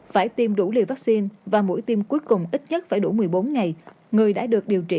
phải tiêm đủ liều vaccine và mũi tiêm cuối cùng ít nhất phải đủ một mươi bốn ngày người đã được điều trị